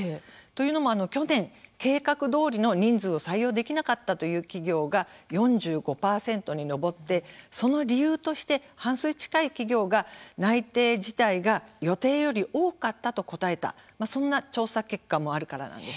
というのも去年、計画どおりの人数を採用できなかったという企業が４５％に上ってその理由として半数近い企業が「内定辞退が予定より多かった」と答えた、そんな調査結果もあるからなんです。